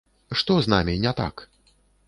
Што з намі не так?